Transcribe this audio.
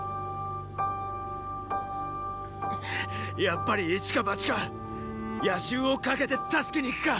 やっぱりイチかバチか夜襲をかけて助けに行くか。